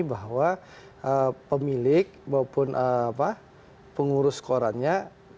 bahwa pemilik maupun pengurus korannya